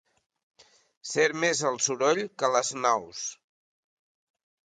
Ser més el soroll que les nous.